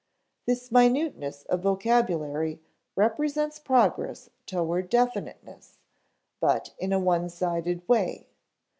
This minuteness of vocabulary represents progress toward definiteness, but in a one sided way.